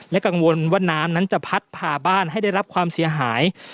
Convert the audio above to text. กังวลว่าน้ำนั้นจะพัดผ่าบ้านให้ได้รับความเสียหาย